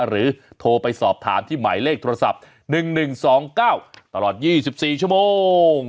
โทรไปสอบถามที่หมายเลขโทรศัพท์๑๑๒๙ตลอด๒๔ชั่วโมง